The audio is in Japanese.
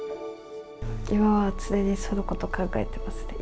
今は常にそのこと考えてますね。